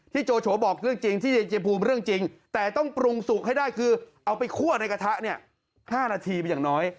โจโฉบอกเรื่องจริงที่เดนเจภูมิเรื่องจริงแต่ต้องปรุงสุกให้ได้คือเอาไปคั่วในกระทะเนี่ย๕นาทีอย่างน้อย